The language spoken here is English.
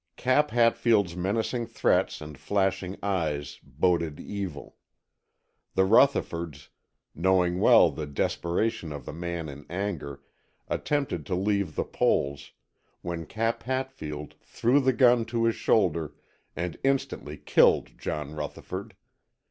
Cap Hatfield's menacing threats and flashing eyes boded evil. The Rutherfords, knowing well the desperation of the man in anger, attempted to leave the polls, when Cap Hatfield threw the gun to his shoulder and instantly killed John Rutherford.